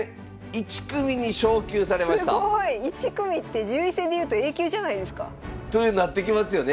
１組って順位戦でいうとＡ級じゃないですか。というふうになってきますよね？